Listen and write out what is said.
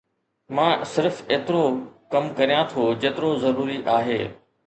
مان صرف ايترو ڪم ڪريان ٿو جيترو ضروري آهي